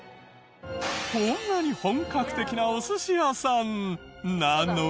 こんなに本格的なお寿司屋さんなのに。